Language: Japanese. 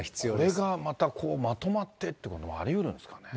これがまたこう、まとまってってこともありうるんですかね。